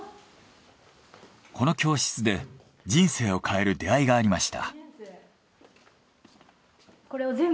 この教室で人生を変える出会いがありました。